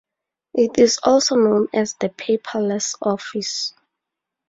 It is also known as the "paperless office".